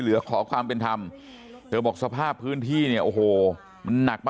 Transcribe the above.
เหลือขอความเป็นธรรมเธอบอกสภาพพื้นที่เนี่ยโอ้โหมันหนักมา